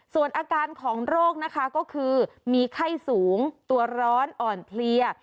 ส่วนอาการของโรคนะคะก็คือมีไข้สูงตัวร้อนอ่อนเพลีย